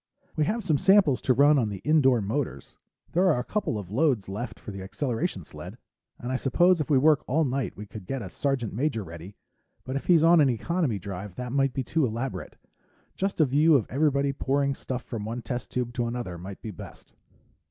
"We have some samples to run on the indoor motors. There are a couple of loads left for the acceleration sled. And I suppose if we work all night we could get a sergeant major ready, but if he's on an economy drive that might be too elaborate. Just a view of everybody pouring stuff from one test tube to another might be best."